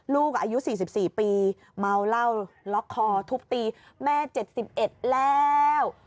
ลูกอายุ๔๔ปีเมาเหล้าล็อกคอทุบตีแม่๗๑แล้ว